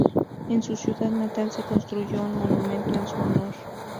En su ciudad natal se construyó un monumento en su honor.